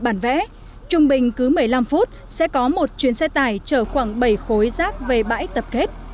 bản vẽ trung bình cứ một mươi năm phút sẽ có một chuyến xe tải chở khoảng bảy khối rác về bãi tập kết